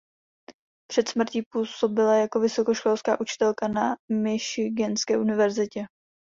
Před smrtí působila jako vysokoškolská učitelka na Michiganské univerzitě.